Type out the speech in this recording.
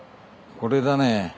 これだね。